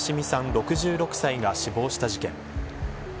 ６６歳が死亡した事件。